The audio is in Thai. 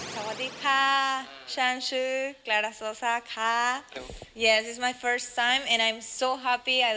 สวัสดีค่ะฉันชื่อกลาดาโซซ่าค่ะค่ะแล้วมันเป็นครั้งแรกของฉัน